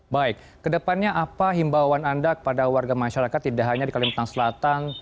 baik kedepannya apa himbauan anda kepada warga masyarakat tidak hanya di kalimantan selatan